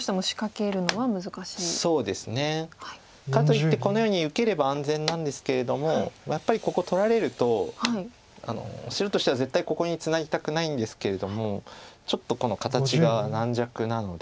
かといってこのように受ければ安全なんですけれどもやっぱりここ取られると白としては絶対ここにツナぎたくないんですけれどもちょっとこの形が軟弱なので。